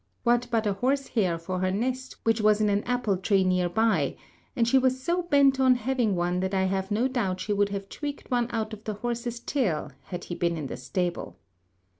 What but a horse hair for her nest, which was in an apple tree near by? and she was so bent on having one that I have no doubt she would have tweaked one out of the horse's tail had he been in the stable.